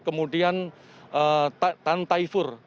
kemudian tan taifur